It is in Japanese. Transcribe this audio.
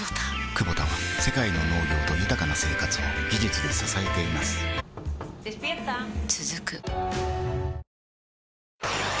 クボタは世界の農業と豊かな生活を技術で支えています起きて。